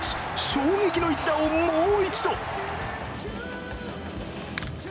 衝撃の一打をもう一度。